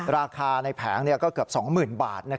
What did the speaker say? ราคาในแผงก็เกือบ๒๐๐๐บาท